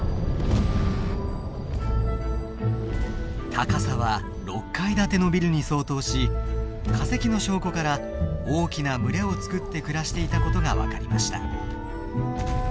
高さは６階建てのビルに相当し化石の証拠から大きな群れを作って暮らしていたことが分かりました。